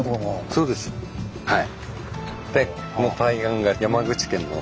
そうですはい。